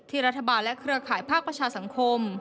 รัฐบาลและเครือข่ายภาคประชาสังคม